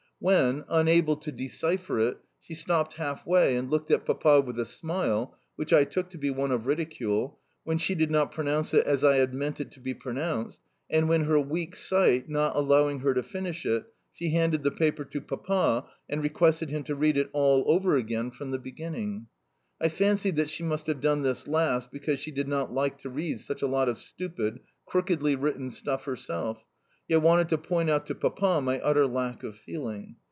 when, unable to decipher it, she stopped half way and looked at Papa with a smile (which I took to be one of ridicule)? when she did not pronounce it as I had meant it to be pronounced? and when her weak sight not allowing her to finish it, she handed the paper to Papa and requested him to read it all over again from the beginning? I fancied that she must have done this last because she did not like to read such a lot of stupid, crookedly written stuff herself, yet wanted to point out to Papa my utter lack of feeling.